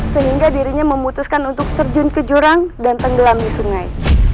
sehingga dirinya memutuskan untuk terjun ke jurang dan tenggelam di sungai